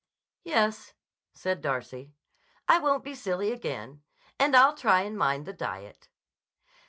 "Yes," said Darcy. "I won't be silly again. And I'll try and mind the diet."